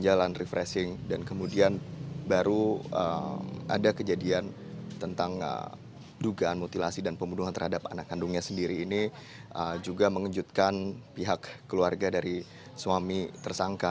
jalan refreshing dan kemudian baru ada kejadian tentang dugaan mutilasi dan pembunuhan terhadap anak kandungnya sendiri ini juga mengejutkan pihak keluarga dari suami tersangka